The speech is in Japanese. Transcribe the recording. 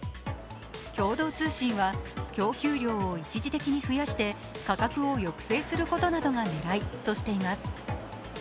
共同通信は供給量を一時的に増やして価格を抑制することなどが狙いとしています。